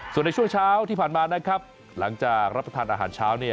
ส่วนในช่วงเช้าที่ผ่านมานะครับหลังจากรับประทานอาหารเช้า